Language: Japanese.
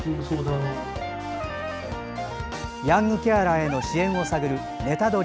ヤングケアラーへの支援を探る「ネタドリ！」。